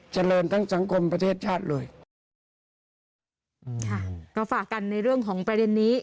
เจริญทั้งสังคมประเทศชาติเลยอืมค่ะก็ฝากกันในเรื่องของประเด็นนี้